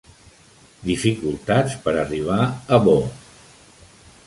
Dificultats per arribar a Bo.